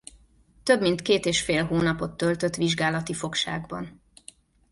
Több mint két és fél hónapot töltött vizsgálati fogságban.